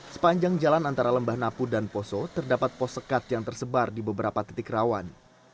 sepanjang jalan antara lembah napu dan poso terdapat pos sekat yang tersebar di beberapa titik rawan